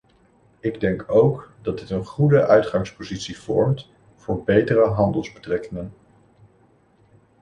Ik denk ook dat dit een goede uitgangspositie vormt voor betere handelsbetrekkingen.